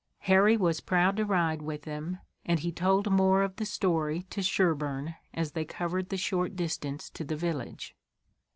Harry was proud to ride with them, and he told more of the story to Sherburne as they covered the short distance to the village.